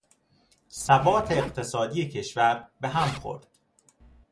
ثبات اقتصادی کشور به هم خورد.